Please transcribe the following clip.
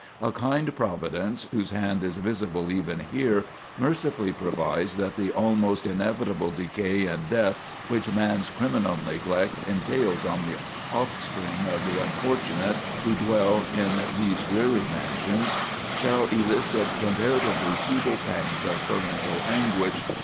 A kind Providence, whose hand is visible even here, mercifully provides that the almost inevitable decay and death which man's criminal neglect entails on the offspring of the unfortunate who dwell in these dreary mansions, shall elicit comparatively feeble pangs of parental anguish.